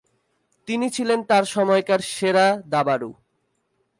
তিনি ছিলেন তার সময়কার সেরা দাবাড়ু।